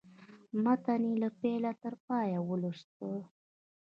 متن یې له پیله تر پایه ولوست.